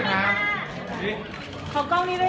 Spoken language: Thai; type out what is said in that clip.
ขอบคุณแม่ก่อนต้องกลางนะครับ